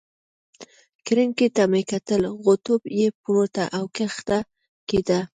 کرنکې ته مې کتل، غوټو یې پورته او کښته کېده.